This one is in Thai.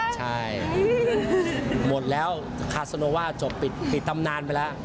ใช่หมดแล้วคาโซโนว่าจบปิดตำนานไปแล้ว